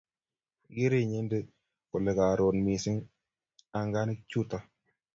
Igeere inyete kole karoron mising anganik chuto